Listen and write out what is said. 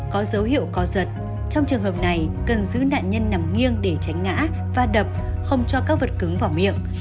có dấu hiệu co giật trong trường hợp này cần giữ nạn nhân nằm nghiêng để tránh ngã và đập không cho các vật cứng vào miệng